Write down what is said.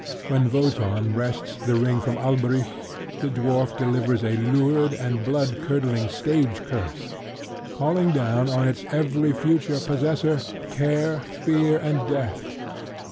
When Wotan wrests the ring from Alberic, the dwarf delivers a lurid and bloodcurdling stage curse, calling down on its every future possessor care, fear, and death.